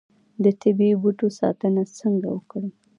د طبیعي بوټو ساتنه څنګه وکړم؟